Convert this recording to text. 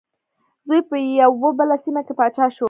زوی په یوه بله سیمه کې پاچا شو.